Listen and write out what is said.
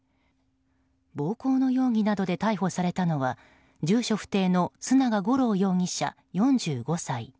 暴行の容疑などで逮捕されたのは住所不定の須永五郎容疑者、４５歳。